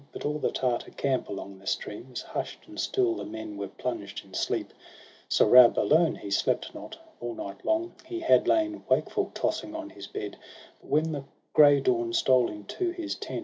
But all the Tartar camp along the stream Was hush'd, and still the men were plunged in sleep ; Sohrab alone, he slept not; all night long He had lain wakeful, tossing on his bed; But when the grey dawn stole into his tent.